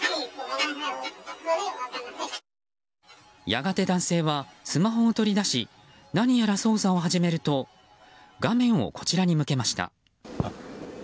やがて男性はスマホを取り出し何やら操作を始めると画面をこちらに向けました。